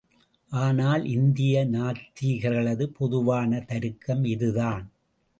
ஆனால் இந்திய நாத்திகர்களது பொதுவான தருக்கம் இதுதான்.